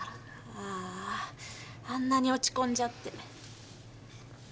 あああんなに落ち込んじゃって。